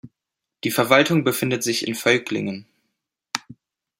Die Verwaltung befindet sich in Völklingen.